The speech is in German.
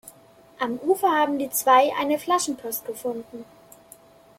Am Ufer haben die zwei eine Flaschenpost gefunden.